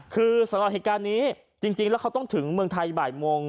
คือสำหรับเหตุการณ์นี้จริงแล้วเขาต้องถึงเมืองไทยบ่ายโมง